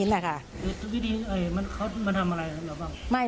มันทำอะไรหรือเปล่า